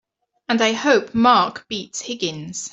And I hope Mark beats Higgins!